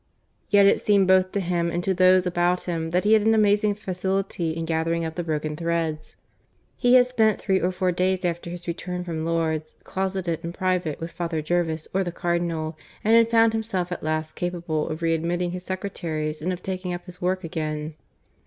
Yet it seemed both to him and to those about him that he had an amazing facility in gathering up the broken threads. He had spent three or four days, after his return from Lourdes, closeted in private with Father Jervis or the Cardinal, and had found himself at last capable of readmitting his secretaries and of taking up his work again.